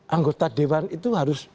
anggota dewan itu harus